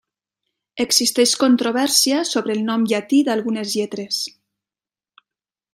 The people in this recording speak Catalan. Existeix controvèrsia sobre el nom llatí d'algunes lletres.